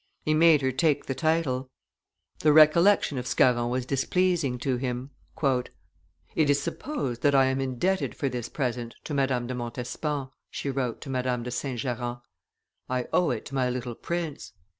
He made her take the title. The recollection of Scarron was displeasing to him. "It is supposed that I am indebted for this present to Madame de Montespan," she wrote to Madame de St. Geran; "I owe it to my little prince.